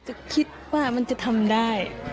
เนื่องจากนี้ไปก็คงจะต้องเข้มแข็งเป็นเสาหลักให้กับทุกคนในครอบครัว